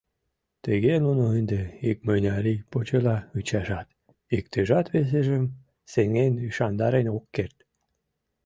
Тыге нуно ынде икмыняр ий почела ӱчашат, иктыжат весыжым сеҥен-ӱшандарен ок керт.